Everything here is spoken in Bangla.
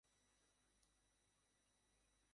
হ্যাঁ, শুধু পাঠিয়ে দেও।